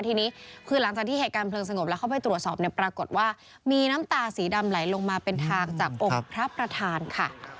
ทีนี้คือหลังจากที่เหตุการณ์เพลิงสงบแล้วเข้าไปตรวจสอบเนี่ยปรากฏว่ามีน้ำตาสีดำไหลลงมาเป็นทางจากองค์พระประธานค่ะ